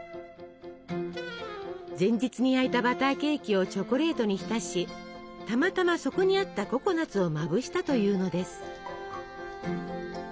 前日に焼いたバターケーキをチョコレートに浸したまたまそこにあったココナツをまぶしたというのです。